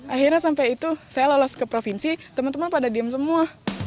akhirnya sampai itu saya lolos ke provinsi teman teman pada diem semua